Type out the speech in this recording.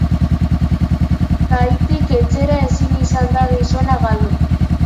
Kaitik etxera ezin izan da gizona galdu.